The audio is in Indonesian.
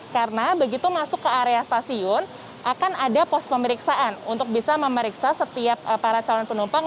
karena begitu masuk ke area stasiun akan ada pos pemeriksaan untuk bisa memeriksa setiap para calon penumpang